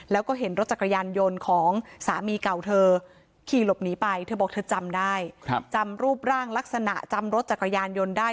แล้วก็เห็นรถจักรยานยนต์ของสามีเก่าเธอขี่หลบหนีไปเธอบอกเธอจำได้จำรูปร่างลักษณะจำรถจักรยานยนต์ได้